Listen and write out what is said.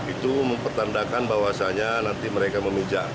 itu mempertandakan bahwasannya nanti mereka memijak